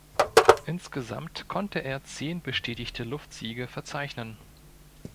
Insgesamt konnte er zehn bestätigte Luftsiege verzeichnen.